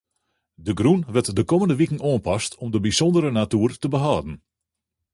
De grûn wurdt de kommende wiken oanpast om de bysûndere natoer te behâlden.